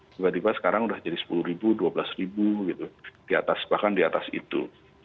tiba tiba sekarang sudah jadi sepuluh dua belas gitu bahkan di atas itu